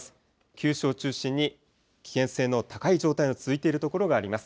九州を中心に危険性の高い状態の続いている所があります。